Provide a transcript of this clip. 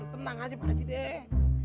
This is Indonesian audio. tenang aja pak haji deh